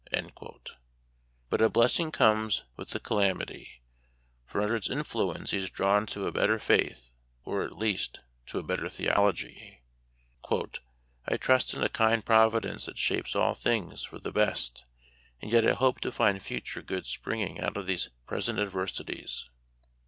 Memoir of Washington In: 79 But a blessing comes with the calamity, for under its influence he is drawn to a better faith, or, at least, to a better theology. " I trust in a kind Providence that shapes all things for the best, and yet I hope to find future good spring ing out of these present adversities.